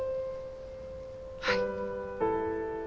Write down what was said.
はい。